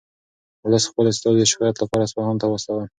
ولس خپل استازي د شکایت لپاره اصفهان ته واستول.